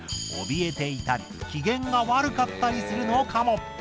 おびえていたり機嫌が悪かったりするのかも。